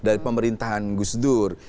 dari pemerintahan gus dur